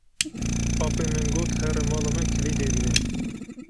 Apê min got here mala me kilîdê bîne.